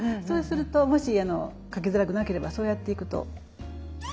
そうするともし描きづらくなければそうやっていくと。